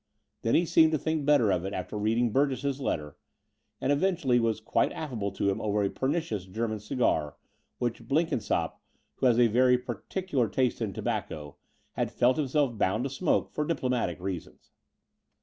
Then he seemed to think better of it after reading Burgess's letter, and eventually was quite aflEable to him over a pernicious German cigar, which Blenkin sopp, who has a very particular taste in tobacco, had felt himself boxmd to smoke for diplomatic reasons.